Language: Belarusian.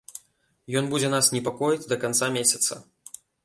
Ён будзе нас непакоіць да канца месяца.